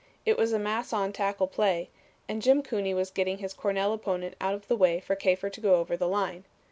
It was a mass on tackle play, and Jim Cooney was getting his Cornell opponent out of the way for Kafer to go over the line.